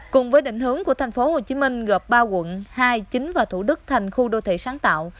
cùng với định hướng của thành phố hồ chí minh gợp ba quận hai chính và thủ đức thành khu đô thị sáng tạo